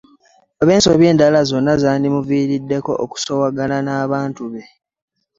Oba ensobi endala zonna ezandimuviiriddeko okusoowagana n'abantu be .